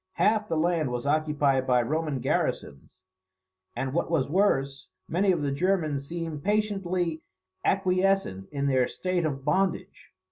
Half the land was occupied by Roman garrisons; and, what was worse, many of the Germans seemed patiently acquiescent in their state of bondage.